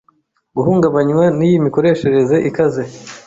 guhungabanywa niyi mikoreshereze ikaze.